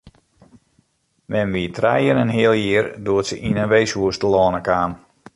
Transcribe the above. Mem wie trije en in heal jier doe't se yn in weeshûs telâne kaam.